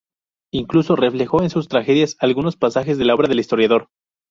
Incluso reflejó en sus tragedias algunos pasajes de la obra del historiador.